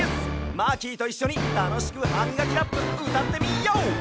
マーキーといっしょにたのしく「ハミガキラップ」うたってみよう！